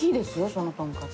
そのとんかつ。